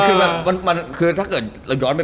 คือแบบมันคือถ้าเกิดเราย้อนไป